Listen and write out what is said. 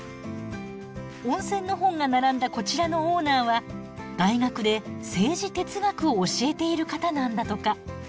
温泉の本が並んだこちらのオーナーは大学で政治哲学を教えている方なんだとか。